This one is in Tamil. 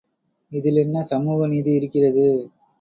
இதில் என்ன சமூக நீதி இருக்கிறது?